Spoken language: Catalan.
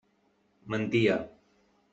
Mentia.